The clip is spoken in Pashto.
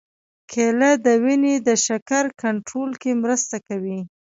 کېله د وینې د شکر کنټرول کې مرسته کوي.